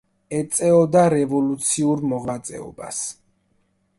ეწეოდა რევოლუციურ მოღვაწეობას.